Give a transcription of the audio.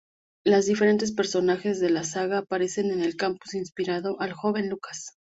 Los diferentes personajes de la saga aparecen en el campus, inspirando al joven Lucas.